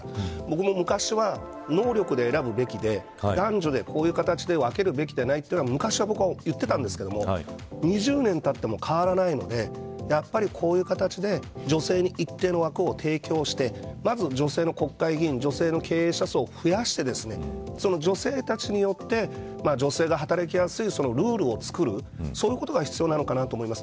僕も昔は、能力で選ぶべきで男女でこういう形で分けるべきでないと昔は僕は言ってたんですけど２０年たっても変わらないのでやっぱりこういう形で女性に一定の枠を提供してまず女性の国会議員女性の経営者層を増やしてその女性たちによって女性が働きやすいルールを作るそういうことが必要なのかなと思います。